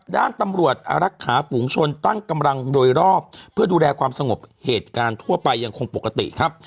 ด้านตำรวจอารักษาฝูงชนตั้งกำลังโดยรอบเพื่อดูแลความสงบเหตุการณ์ทั่วไปยังคงปกติครับ